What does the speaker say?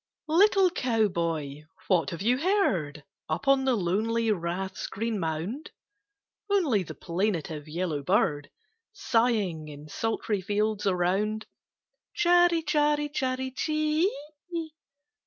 I. LITTLE Cowboy, what have you heard, Up on the lonely rath's green mound? Only the plaintive yellow bird Sighing in sultry fields around, Chary, chary, chary, chee ee!